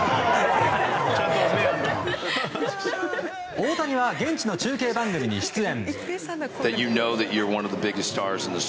大谷は現地の中継番組に出演。